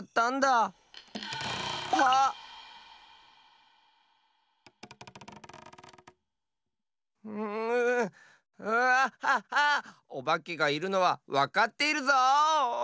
おばけがいるのはわかっているぞ。